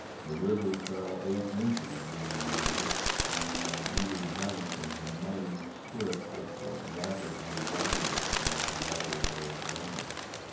The river fell eight inches during the night, and on either bank is a muddy strip, which will rapidly widen as the water goes down.